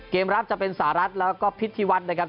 เกมรับจะเป็นสหรัฐแล้วก็พิธีวัฒน์นะครับ